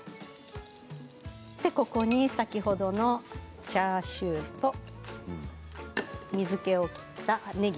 ここに先ほどのチャーシューと水けを切ったねぎ。